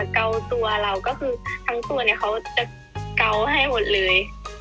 เขาจะเกา้วให้หมดเลย